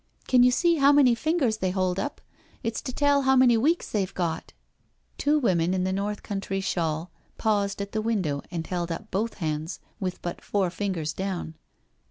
" Can you see how many fingers they hold up? It's to tell how many weeks they've got." Two women in the North Country shawl paused at the window and held up both hands, with but four fingers down.